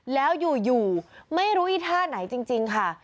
แล้วอยู่ไม่รู้อีท่าไหนจริงค่ะ